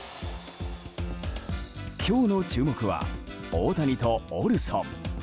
今日の注目は大谷とオルソン。